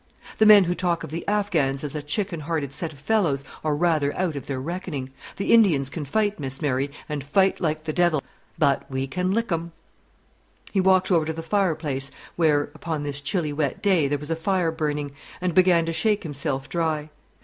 "The men who talk of the Affghans as a chicken hearted set of fellows are rather out of their reckoning. The Indians can fight, Miss Mary, and fight like the devil; but we can lick 'em!" He walked over to the fireplace, where upon this chilly wet day, there was a fire burning and began to shake himself dry.